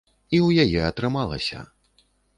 І ў яе атрымалася.